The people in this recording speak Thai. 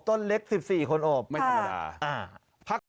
ต้นเล็ก๑๔คนโอบไม่ธรรมดาพัก